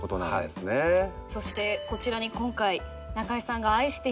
そしてこちらに今回。